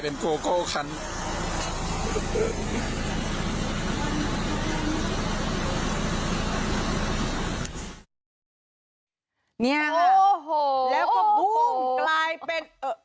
นี่ค่ะแล้วก็บุ้งกลายเป็น